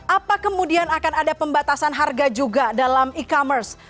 apa kemudian akan ada pembatasan harga juga dalam e commerce